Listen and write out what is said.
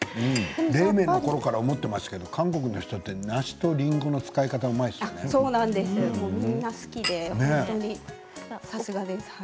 冷麺のころから思ってますけど韓国の方って梨とりんごの使い方がうまいですよね。